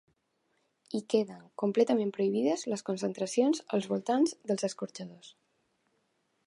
I queden completament prohibides les concentracions als voltants dels escorxadors.